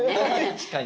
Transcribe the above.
確かに。